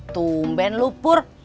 tumben lu pur